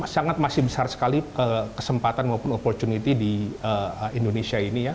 sangat masih besar sekali kesempatan maupun opportunity di indonesia ini ya